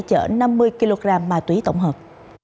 chở năm mươi kg ma túy tổng hợp